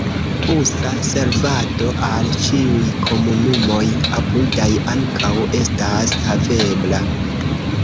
Busa servado al ĉiuj komunumoj apudaj ankaŭ estas havebla.